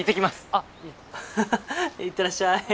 あっいえ行ってらっしゃい。